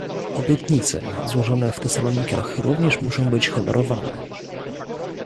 Obietnice, złożone w Tesalonikach również muszą być honorowane